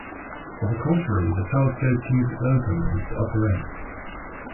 On the contrary, the telescope tube is open at its upper end.